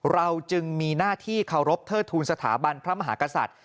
เราจึงมีหน้าที่เคารพเทิดทูลสถาบันพระมหากษัตริย์